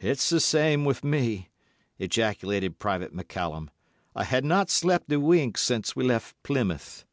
"It's the same with me," ejaculated Private McCallum. "I hae not slept a wink since we left Plymouth."